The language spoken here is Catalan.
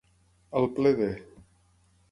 Al ple de.